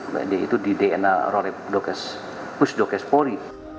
yaitu di dna rolipusdokespori